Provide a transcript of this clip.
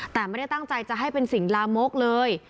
แต่ไม่ได้ตั้งใจจะให้เป็นสิ่งลามกเลย